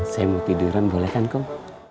saya mau tiduran boleh kan kok